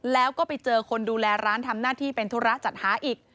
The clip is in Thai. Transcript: แล้วก็ไปเจอคนดูแลร้านทำหน้าที่เป็นธุระจัดหาอีก